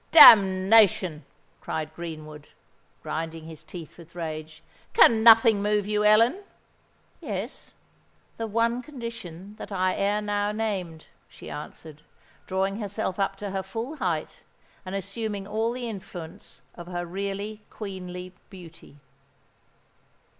"Damnation!" cried Greenwood, grinding his teeth with rage. "Can nothing move you, Ellen?" "Yes—the one condition that I ere now named," she answered, drawing herself up to her full height, and assuming all the influence of her really queenly beauty.